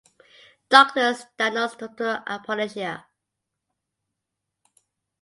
Doctors diagnosed total alopecia.